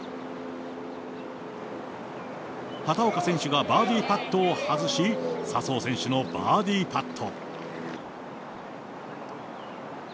畑岡選手がバーディーパットを外し、笹生選手のバーディーパット。